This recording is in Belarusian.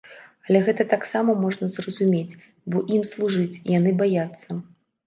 Але гэта таксама можна зразумець, бо ім служыць, яны баяцца.